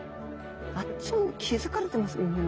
あっちも気付かれてますもんね。